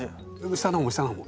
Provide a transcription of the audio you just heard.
下の方も下の方も。